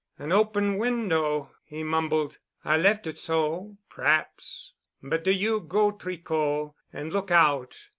"An open window," he mumbled. "I left it so—perhaps. But do you go, Tricot, and look out.